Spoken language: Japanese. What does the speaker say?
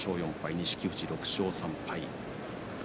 錦富士、６勝３敗。